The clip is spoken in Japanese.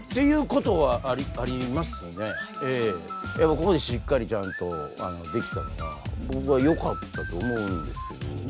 ここでしっかりちゃんとできたのは僕はよかったと思うんですけど。